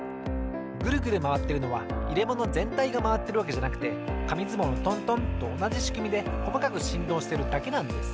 グルグルまわってるのはいれものぜんたいがまわってるわけじゃなくてかみずもうのトントンとおなじしくみでこまかくしんどうしてるだけなんです。